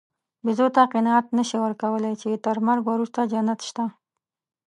بیزو ته قناعت نهشې ورکولی، چې تر مرګ وروسته جنت شته.